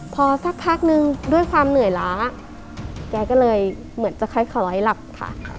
พอสักพักนึงด้วยความเหนื่อยล้าแกก็เลยเหมือนจะค่อยหลับค่ะ